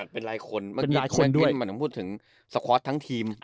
เป็นรายคนเมื่อกี้มันพูดถึงสควอสทั้งทีม